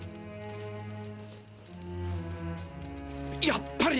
やっぱり！